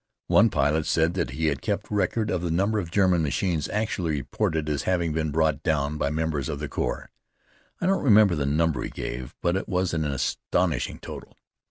One pilot said that he had kept record of the number of German machines actually reported as having been brought down by members of the Corps. I don't remember the number he gave, but it was an astonishing total.